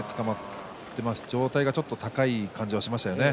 上体がちょっと高い感じがしましたよね。